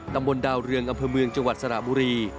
ตำบลดาวเรืองอำเภอเมืองจังหวัดสระบุรี